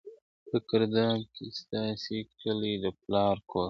په ګرداب کی ستاسي کلی د پلار ګور دی ..